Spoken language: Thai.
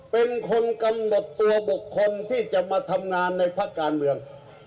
เป็นคนกำหนดตัวบุคคลที่จะมาทำงานในภาคการเมือง